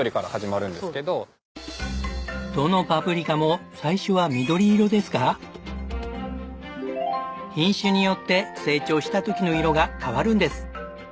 どのパプリカも最初は緑色ですが品種によって成長した時の色が変わるんです。